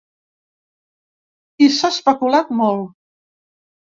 I s’ha especulat molt.